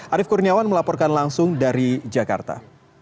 arief kurniawan melaporkan langsung dari jakarta